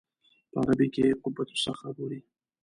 په عربي کې یې قبة الصخره بولي.